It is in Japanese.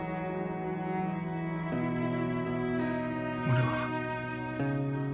俺は。